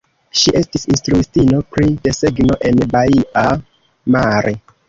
Ŝi estis instruistino pri desegno en Baia Mare.